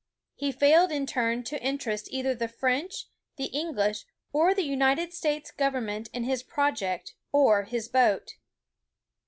He failed in turn to interest either the French, the English, or the United States government in his project, or his boat.